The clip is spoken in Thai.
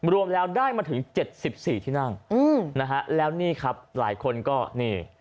รวมแล้วได้มาถึง๗๔ที่นั่งนะฮะแล้วนี่ครับหลายคนก็นี่